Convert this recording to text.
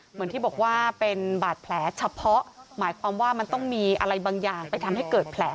เหมือนที่บอกว่าเป็นบาดแผลเฉพาะหมายความว่ามันต้องมีอะไรบางอย่างไปทำให้เกิดแผล